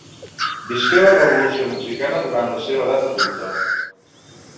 Visqué la Revolució Mexicana durant la seva edat adulta.